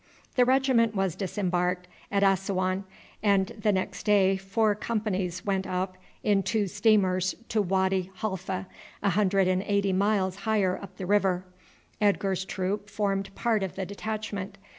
The regiment was disembarked at Assouan, and the next day four companies went up in two steamers to Wady Halfa, a hundred and eighty miles higher up the river. Edgar's troop formed part of the detachment.